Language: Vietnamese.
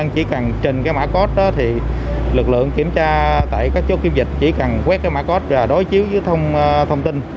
chỉ cần trên cái mã code đó thì lực lượng kiểm tra tại các chốt kiểm dịch chỉ cần quét cái mã code rồi đối chiếu với thông tin